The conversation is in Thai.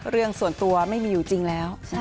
เรื่องส่วนตัวไม่มีอยู่จริงแล้ว